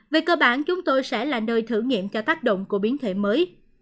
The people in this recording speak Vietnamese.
về cơ bản chúng tôi sẽ là nơi thử nghiệm cho tác động của biến thể mới